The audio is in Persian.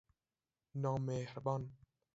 نامﮩربان